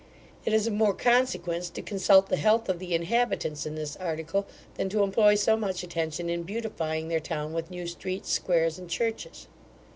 It is of more consequence to consult the health of the inhabitants in this article than to employ so much attention in beautifying their town with new streets, squares, and churches.